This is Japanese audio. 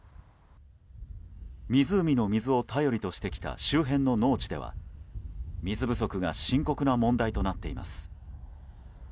湖の水を頼りとしてきた周辺の農地では水不足が深刻な問題となっています。